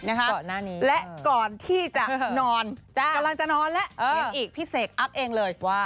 นะครับและก่อนที่จะนอนกำลังจะนอนแล้วนี้อีกพี่เสกอัพเองเลยว่า